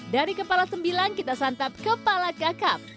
dari kepala sembilan kita santap kepala kakap